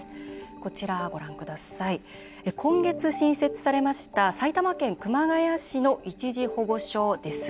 こちら、今月、新設されました埼玉県熊谷市の一時保護所です。